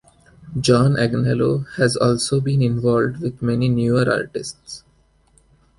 John Agnello has also been involved with many newer artists.